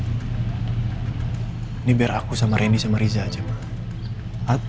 ini biar aku sama randy sama riza aja ma